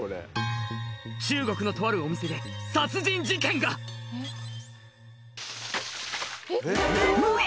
中国のとあるお店で殺人事件がもう嫌！